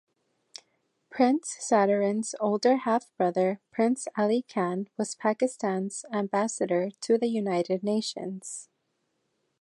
Prince Sadruddin's older half-brother, Prince Aly Khan, was Pakistan's Ambassador to the United Nations.